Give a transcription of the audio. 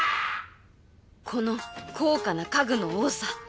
この高価な家具の多さ